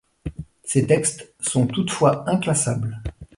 Ces textes sont toutefois inclassables.